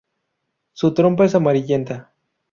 Su trompa es amarillenta.